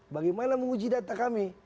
bagaimana menguji data kami